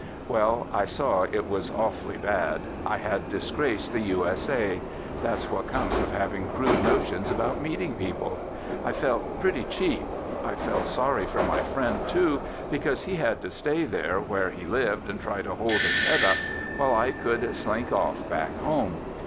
Well, I saw it was awfully bad. I have disgraced the U.S.A. That's what comes of having crude notions about meeting people. I felt pretty cheap. I felt sorry for my friend too, because he had to stay there where he lived and try to hold his head up while I could slink off back home.